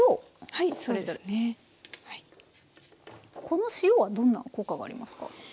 この塩はどんな効果がありますか？